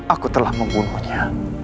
aku telah membunuhnya